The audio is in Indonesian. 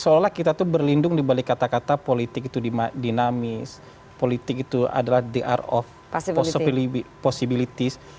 seolah olah kita itu berlindung dibalik kata kata politik itu dinamis politik itu adalah the art of possibilities